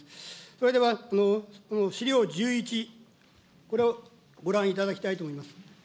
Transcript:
それでは資料１１、これをご覧いただきたいと思います。